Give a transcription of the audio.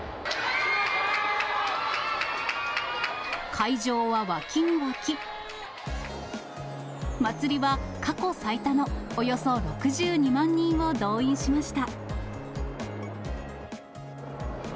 会場は沸きに沸き、まつりは過去最多のおよそ６２万人を動員しました。